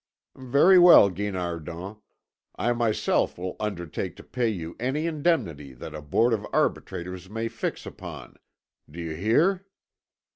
"Very well, Guinardon, I myself will undertake to pay you any indemnity that a board of arbitrators may fix upon. Do you hear?"